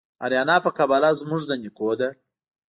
آریانا په قباله زموږ د نیکو ده